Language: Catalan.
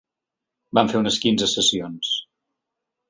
Vam fer unes quinze sessions.